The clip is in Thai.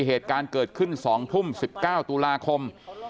เหตุการณ์เกิดขึ้น๒ทุ่ม๑๙ตุลาคม